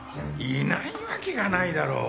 いないわけがないだろう。